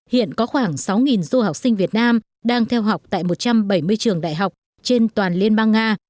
hiện có khoảng sáu du học sinh việt nam đang theo học tại một trăm bảy mươi trường đại học trên toàn liên bang nga